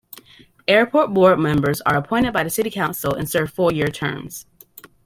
Airport Board members are appointed by the City Council and serve four-year terms.